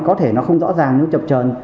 có thể nó không rõ ràng nó chập trờn